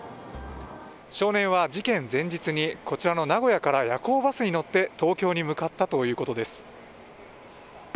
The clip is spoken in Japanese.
少年は事件前日に、こちらの名古屋から夜行バスに乗って東京に向かったということです。